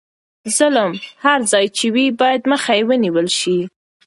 ظلم هر ځای چې وي باید مخه یې ونیول شي.